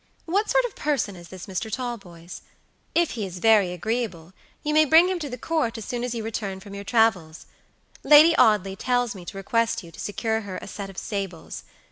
What sort of person is this Mr. Talboys? If he is very agreeable you may bring him to the Court as soon as you return from your travels. Lady Audley tells me to request you to secure her a set of sables.